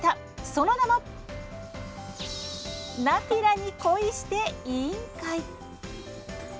その名もナピラに恋して委員会。